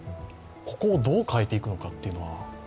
ここをどう変えていくのかは？